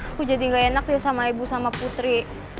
aku jadi gak enak sih sama ibu sama putri